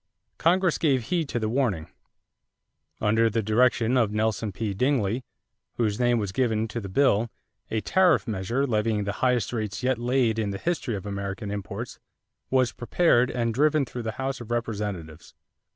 Congress gave heed to the warning. Under the direction of Nelson P. Dingley, whose name was given to the bill, a tariff measure levying the highest rates yet laid in the history of American imposts was prepared and driven through the House of Representatives.